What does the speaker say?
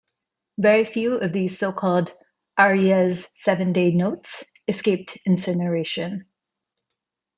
Very few of these so-called "Arias Seven Day" notes escaped incineration.